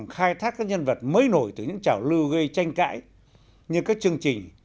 khai thác các nhân vật mới nổi từ những trảo lưu gây tranh cãi như các chương trình